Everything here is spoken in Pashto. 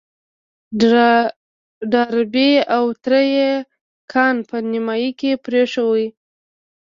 ډاربي او تره يې کان په نيمايي کې پرېيښی و.